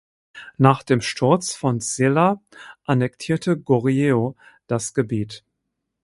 Nach dem Sturz von Silla annektierte Goryeo das Gebiet.